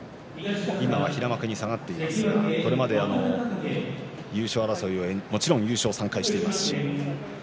今は平幕に下がっていますがこれまで、もちろん優勝も３回しています。